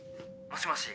もしもし。